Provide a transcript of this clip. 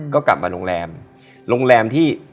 ก็กลับมาโรงแรม